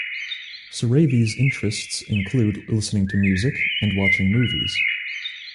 Serevi's interests include listening to music, and watching movies.